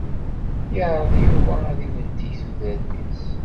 Yeɛreḍ Yuba ad ibeddel tudert-is.